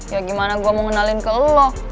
ya gimana gue mau kenalin ke lo